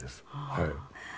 はい。